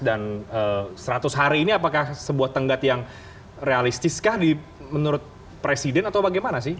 dan seratus hari ini apakah sebuah tenggat yang realistiskah menurut presiden atau bagaimana sih